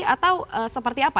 atau seperti apa